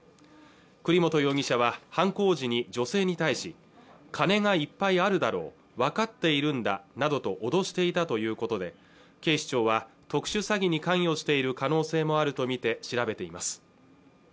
栗本容疑者は犯行時に女性に対し金がいっぱいあるだろう分かっているんだなどと脅していたということで警視庁は特殊詐欺に関与している可能性もあるとみて調べています